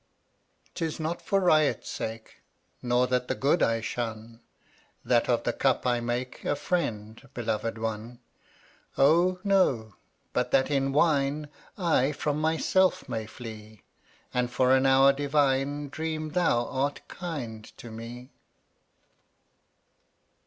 130 'Tis not for riot's sake, Nor that the good I shun, That of the cup I make A friend, beloved one; Oh, no; but that in wine I from myself may flee, And for an hour divine Dream thou art kind to me.